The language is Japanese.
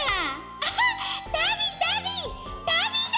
アハッたびたびたびだ！